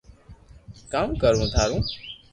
ڪاو ڪرو ٿارو